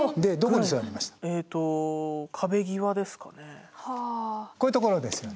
こういうところですよね？